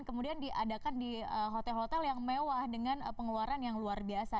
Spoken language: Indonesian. kemudian diadakan di hotel hotel yang mewah dengan pengeluaran yang luar biasa